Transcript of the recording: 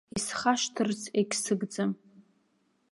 Исхашҭырц егьсыгӡам.